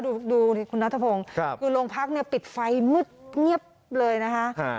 ดูดิคุณนัทพงศ์คือโรงพักเนี่ยปิดไฟมืดเงียบเลยนะคะ